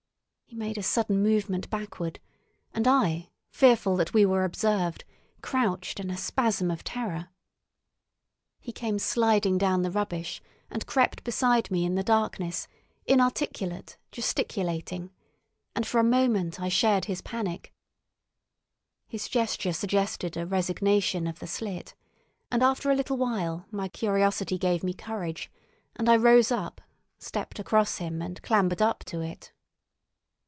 He made a sudden movement backward, and I, fearful that we were observed, crouched in a spasm of terror. He came sliding down the rubbish and crept beside me in the darkness, inarticulate, gesticulating, and for a moment I shared his panic. His gesture suggested a resignation of the slit, and after a little while my curiosity gave me courage, and I rose up, stepped across him, and clambered up to it.